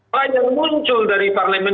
lain yang muncul dari parlimen